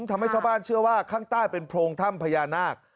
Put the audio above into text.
ทำให้ชาวบ้านเชื่อว่าข้างใต้เป็นโพรงถ้ำพญานาค